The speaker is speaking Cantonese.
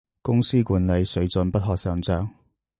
公司管理，水準不可想像